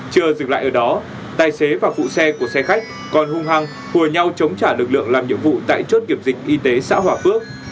chưa dừng lại ở đó tài xế và phụ xe của xe khách còn hung hăng hùa nhau chống trả lực lượng làm nhiệm vụ tại chốt kiểm dịch y tế xã hòa phước